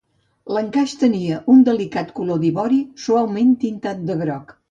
L'encaix tenia un delicat color d'ivori, suaument tintat de groc.